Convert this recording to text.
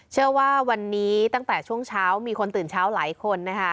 เชื่อว่าวันนี้ตั้งแต่ช่วงเช้ามีคนตื่นเช้าหลายคนนะคะ